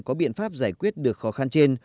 có biện pháp giải quyết được khó khăn trên